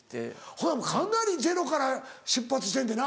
ほなもうかなりゼロから出発してんねんな。